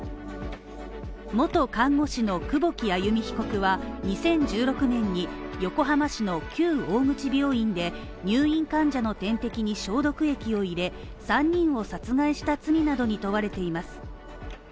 元看護師の久保木愛弓被告は２０１６年に横浜市の旧大口病院で入院患者の点滴に消毒液を入れ、３人を殺害した罪などに問われています。